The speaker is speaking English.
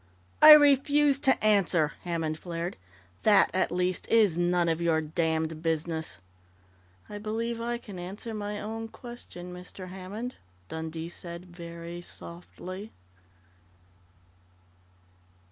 "I refuse to answer!" Hammond flared. "That at least is none of your damned business!" "I believe I can answer my own question, Mr. Hammond," Dundee said very softly.